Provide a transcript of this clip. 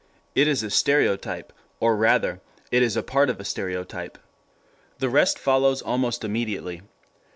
It is a stereotype, or rather it is part of a stereotype. The rest follows almost immediately.